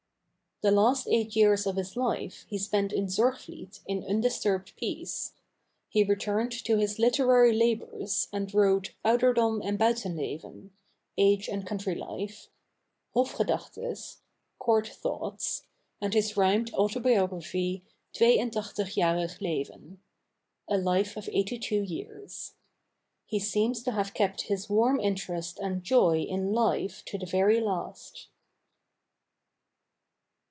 The last eight years of his life he spent in Zorgvliet in undisturbed peace. He returned to his literary labors and wrote 'Onderdom en Buitenleven' (Age and Country Life), 'Hofgedachtess' (Court Thoughts), and his rhymed autobiography 'Twee entaghtig jarig Leven' (A Life of Eighty two Years). He seems to have kept his warm interest and joy in life to the very last.